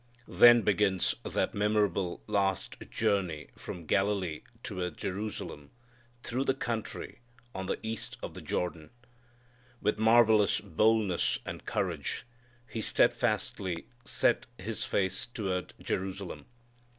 Then begins that memorable last journey from Galilee toward Jerusalem through the country on the east of the Jordan. With marvellous boldness and courage He steadfastly set His face toward Jerusalem.